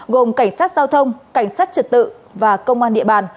gồm cảnh sát giao thông cảnh sát trật tự và công an địa bàn